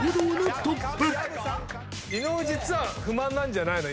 伊野尾実は不満なんじゃないの？